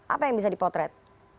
apa yang bisa dipotret